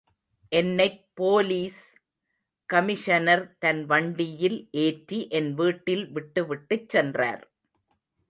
என்னைப் police commissioner தன் வண்டியில் ஏற்றி என் வீட்டில் விட்டுவிட்டுச் சென்றார்.